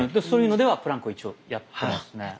そういうのではプランクを一応やってますね。